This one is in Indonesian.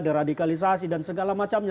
deradikalisasi dan segala macamnya